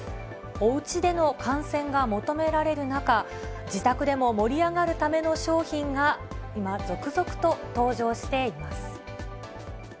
おうちでの観戦が求められる中、自宅でも盛り上がるための商品が今、続々と登場しています。